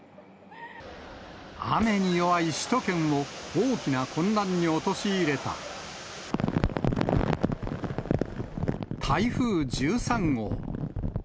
雨に弱い首都圏を、大きな混乱に陥れた、台風１３号。